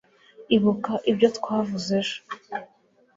ibuka ibyo twavuze ejo